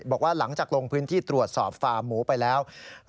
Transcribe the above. บอกว่าหลังจากลงพื้นที่ตรวจสอบฟาร์มหมูไปแล้ว